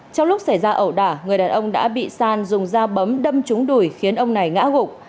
trong lúc xảy ra ẩu đả người đàn ông đã bị san dùng dao bấm đâm trúng đùi khiến ông này ngã gục